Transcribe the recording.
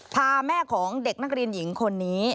พาแม่ของเด็กนักเรียนหญิงคนนี้